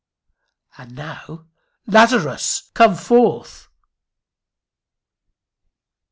And now "Lazarus, come forth."